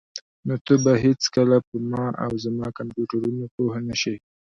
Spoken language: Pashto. نو ته به هیڅکله په ما او زما کمپیوټرونو پوه نشې